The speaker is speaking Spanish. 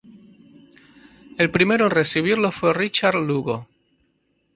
El primero en recibirlo fue Richard Lugo.